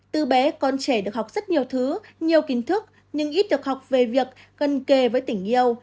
từ bé con trẻ được học rất nhiều thứ nhiều kiến thức nhưng ít được học về việc cần kề với tình yêu